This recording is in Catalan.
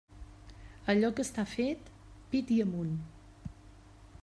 A allò que està fet, pit i amunt.